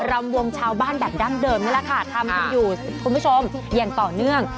รำวงชาวบ้านแบบดั้งเดิมนี่แหละค่ะทำกันอยู่คุณผู้ชมอย่างต่อเนื่อง